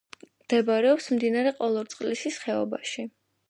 მდებარეობს მდინარე ყოროლისწყლის ხეობაში.